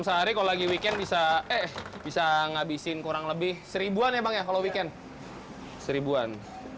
sehari kalau lagi weekend bisa eh bisa ngabisin kurang lebih seribuan ya bang ya kalau weekend seribuan